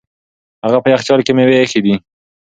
هغه په یخچال کې مېوې ایښې دي.